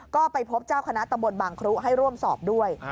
ก็ไปพบเจ้าคณะตำบลบางครุให้ร่วมสอบด้วย